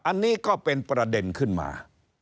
อันนี้ก็เป็นประเด็นขึ้นมา